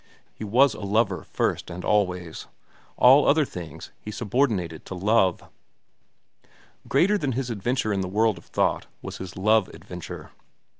He was a lover first and always. All other things he subordinated to love. Greater than his adventure in the world of thought was his love adventure.